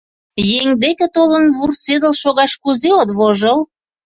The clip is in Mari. Еҥ деке толын, вурседыл шогаш кузе от вожыл?